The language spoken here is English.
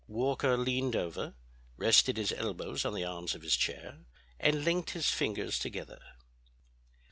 Walker leaned over, rested his elbows on the arms of his chair, and linked his fingers together.